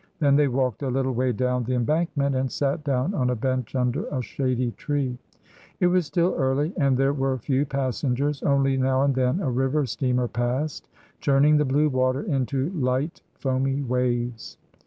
Then they walked a little way down the embankment, and sat down on a bench under a shady tree. It was still early, and there were few passengers; only now and then a river steamer passed, churning the blue water into light, foamy waves.